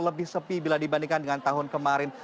lebih sepi bila dibandingkan dengan tahun kemarin